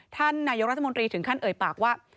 ท่านนายกรัฐมนตรีถึงขั้นเอ่ยปากว่า